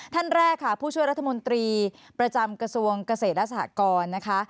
ท่านแรกค่ะผู้ช่วยรัฐมนตรีประจำกระทรวงเกษตรและสหกรนะคะ